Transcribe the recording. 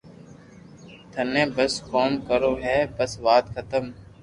ٿني بس ڪوم ڪرو ھي بس وات ختم